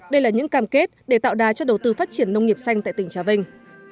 đây là những cam kết để tạo đà cho đầu tư phát triển nông nghiệp xanh tại tỉnh trà vinh